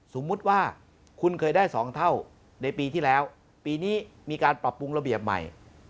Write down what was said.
สมมุติว่าคุณเคยได้๒เท่าในปีที่แล้วปีนี้มีการปรับปรุงระเบียบใหม่